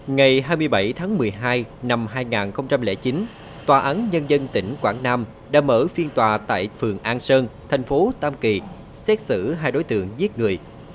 ngày hai mươi bảy tháng một mươi hai năm hai nghìn chín tòa án nhân dân tỉnh quảng nam đã mở phiên tòa tại phường an sơn thành phố tam kỳ xét xử hai đối tượng giết người